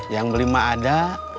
yang beli mah ada